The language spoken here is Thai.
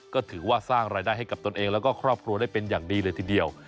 ก็ถือว่าสร้างรายได้ให้กับตนเองแล้วก็ครอบครัวได้เป็นอย่างดีเลยทีเดียว